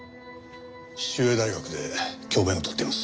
秀栄大学で教鞭を執っています。